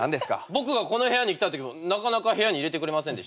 僕がこの部屋に来たときもなかなか部屋に入れてくれませんでしたね。